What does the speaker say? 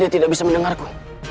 kenapa dia tidak bisa mendengarku